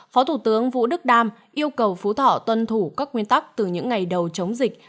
phó thủ tướng vũ đức đam yêu cầu phú thọ tuân thủ các nguyên tắc từ những ngày đầu chống dịch